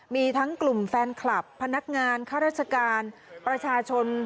มีทั้งกลุ่มแฟนคลับพนักงานข้าราชการประชาชน